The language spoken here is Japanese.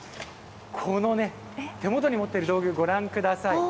このね、手元に持っている道具、ご覧ください。